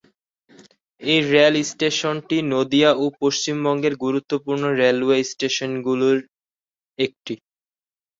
এই রেল স্টেশনটি নদিয়া ও পশ্চিমবঙ্গের গুরুত্বপূর্ণ রেলওয়ে স্টেশনগুলির একটি।